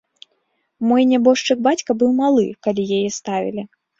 Мой нябожчык бацька быў малы, калі яе ставілі.